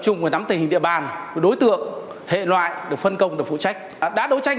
chung và nắm tình hình địa bàn đối tượng hệ loại được phân công được phụ trách đã đấu tranh